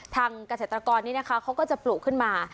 ทางกระเศรษฐกรณ์นี้นะคะเขาก็จะปลูกขึ้นมา